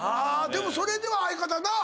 でもそれでは相方なあ。